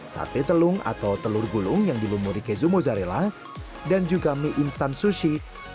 sate telung atau telur gulung yang dilumuri keju mozzarella dan juga mie instan sushi